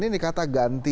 ini kata ganti